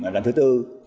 lần thứ tư